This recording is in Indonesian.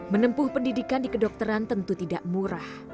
menempuh pendidikan di kedokteran tentu tidak murah